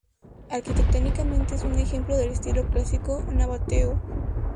Arquitectónicamente es un ejemplo del estilo clásico nabateo.